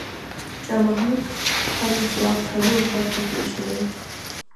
شاه محمود خپل ځواک څلور برخو ته وېشلی و.